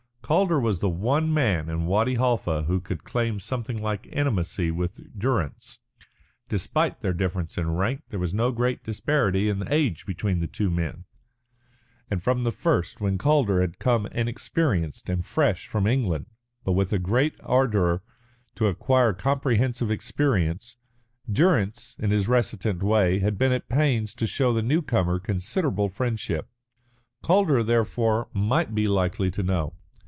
Calder was the one man in Wadi Halfa who could claim something like intimacy with Durrance. Despite their difference in rank there was no great disparity in age between the two men, and from the first when Calder had come inexperienced and fresh from England, but with a great ardour to acquire a comprehensive experience, Durrance in his reticent way had been at pains to show the newcomer considerable friendship. Calder, therefore, might be likely to know.